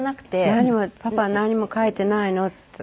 何も「パパは何も書いていないの？」と。